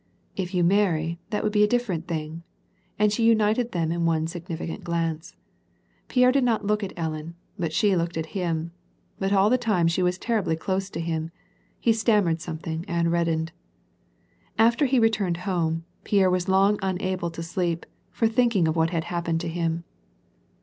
" If you marry, that would be a different thing.'' And she united them in one significant glance. Pierre did not look at Ellen, but she looked at him. But all the time she was terribly close to him. He stammered something and red dened. After he returned home, Pierre was long unable to sleep, for thinking of what had happened to him.